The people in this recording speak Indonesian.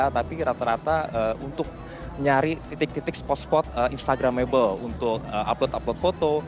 tapi rata rata untuk nyari titik titik spot spot instagramable untuk upload upload foto